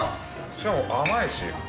しかも甘いし。